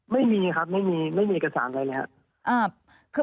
ไม่มีครับไม่มีเอกสารอะไรนะครับ